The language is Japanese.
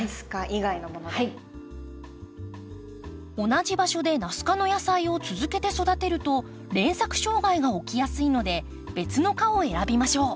同じ場所でナス科の野菜を続けて育てると連作障害が起きやすいので別の科を選びましょう。